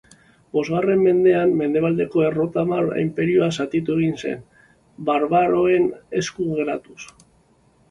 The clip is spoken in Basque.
Bosgarren mendean Mendebaldeko Erromatar Inperioa zatitu egin zen, barbaroen esku geratuz.